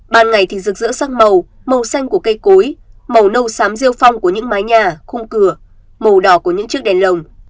ban ngày thì rực rỡ sắc màu màu xanh của cây cối màu nâu xám rêu phong của những mái nhà khung cửa màu đỏ của những chiếc đèn lồng